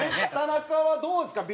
田中はどうですか？